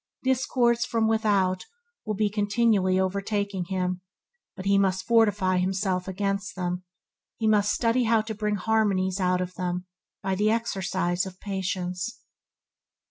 Discords from without will be continually overtaking him, but he must fortify himself against them; he must study how to bring harmonies out of them by the exercise of patience.